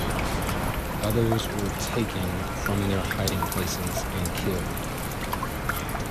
Others were taken from their hiding places and killed.